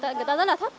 của người ta rất là thấp